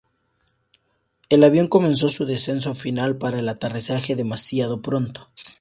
El avión comenzó su descenso final para el aterrizaje demasiado pronto.